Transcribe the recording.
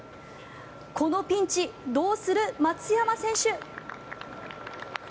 このピンチ、どうする松山選手！